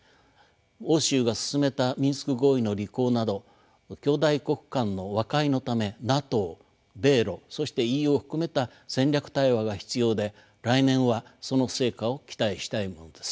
欧州が進めたミンスク合意の履行など兄弟国間の和解のためＮＡＴＯ米ロそしてＥＵを含めた戦略対話が必要で来年はその成果を期待したいものです。